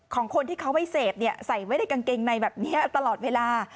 ของคนที่เขาไม่เสพใส่ไว้ในกางเกงในแบบนี้ตลอดเวลา